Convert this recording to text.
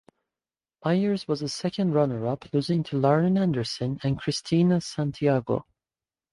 Meiers was a second runner-up, losing to Lauren Anderson and Christina Santiago.